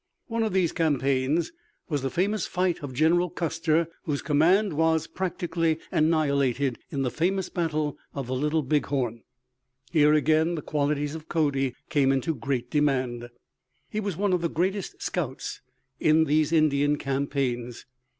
One of these campaigns was the famous fight of General Custer, whose command was practically annihilated in the famous battle of Little Big Horn. Here again the qualities of Cody came into great demand. He was one of the greatest scouts in these Indian campaigns.